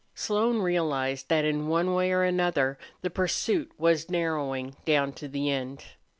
Slone realized that in one way or another the pursuit was narrowing down to the end.